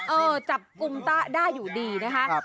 เออจับกลุ่มตะได้อยู่ดีนะคะ